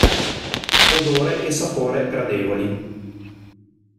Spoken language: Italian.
Odore e sapore gradevoli.